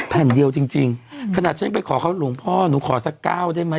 แผ่นเดียวจริงจริงขนาดฉันไปขอเขาหลวงพ่อหนูขอสักก้าวได้ไหม